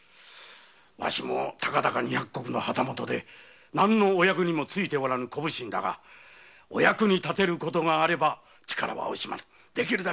わしもたかだか二百石の旗本で何のお役目にも就いておらぬ小普請だがお役に立てる事があれば力は惜しまぬ。